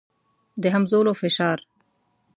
د همځولو فشار.